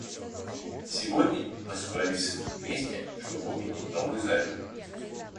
Сегодня мы собрались вместе, чтобы увидеть новую зарю.